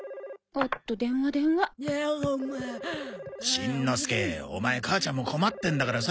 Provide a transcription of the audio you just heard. しんのすけオマエ母ちゃんも困ってんだからさ